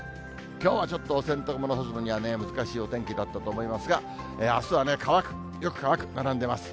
きょうはちょっとお洗濯物干すのには難しいお天気だったと思いますが、あすは乾く、よく乾く、並んでます。